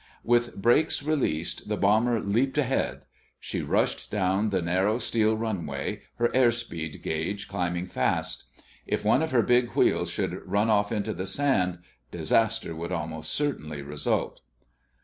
With brakes released the bomber leaped ahead. She rushed down the narrow steel runway, her airspeed gauge climbing fast. If one of her big wheels should run off into the sand, disaster would almost certainly result.